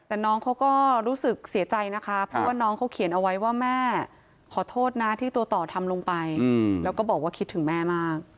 แต่น้องเขาก็รู้สึกเสียใจนะคะเพราะว่าน้องเขาเขียนเอาไว้ว่าแม่ขอโทษนะที่ตัวต่อทำลงไปแล้วก็บอกว่าคิดถึงแม่มาก